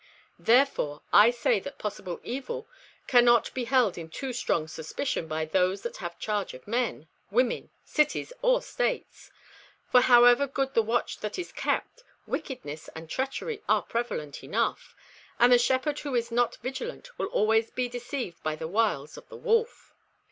Therefore I say that possible evil cannot be held in too strong suspicion by those that have charge of men, women, cities or states; for, however good the watch that is kept, wickedness and treachery are prevalent enough, and the shepherd who is not vigilant will always be deceived by the wiles of the wolf."